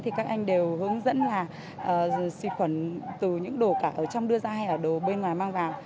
thì các anh đều hướng dẫn là xịt khuẩn từ những đồ cả ở trong đưa ra hay là đồ bên ngoài mang vào